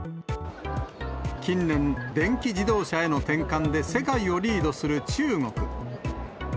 近年、電気自動車への転換で世界をリードする中国。